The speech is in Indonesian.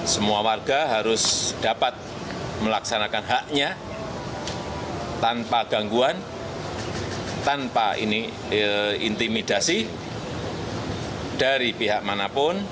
semua warga harus dapat melaksanakan haknya tanpa gangguan tanpa intimidasi dari pihak manapun